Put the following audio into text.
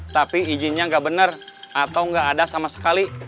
tapi izinnya nggak benar atau nggak ada sama sekali